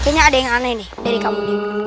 kayaknya ada yang aneh nih dari kamu nih